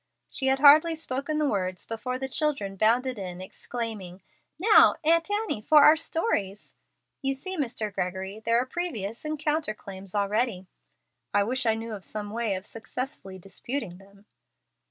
She had hardly spoken the words before the children bounded in, exclaiming, "Now, Aunt Annie, for our stories." "You see, Mr. Gregory, here are previous and counter claims already." "I wish I knew of some way of successfully disputing them."